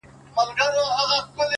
ته هم چنداني شی ولاکه يې ه ياره _